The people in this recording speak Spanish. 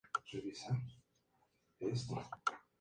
Posteriormente, trabajó como gerente regional de Pizza Hut.